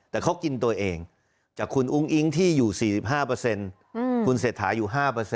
แต่เขากินตัวเองจากคุณอุ้งอิ๊งที่อยู่๔๕คุณเศรษฐาอยู่๕